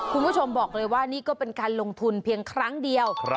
คุณผู้ชมบอกเลยว่านี่ก็เป็นการลงทุนเพียงครั้งเดียว